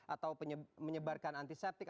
atau menyebarkan antiseptik